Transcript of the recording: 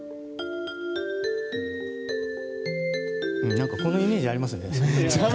何かこのイメージありますね。